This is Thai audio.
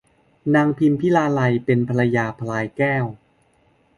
นางพิมพิลาไลยเป็นภรรยาพลายแก้ว